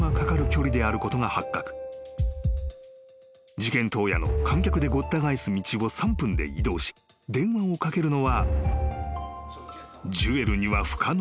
［事件当夜の観客でごった返す道を３分で移動し電話をかけるのはジュエルには不可能である。